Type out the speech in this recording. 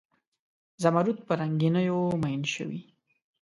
زمرود په رنګینیو میین شوي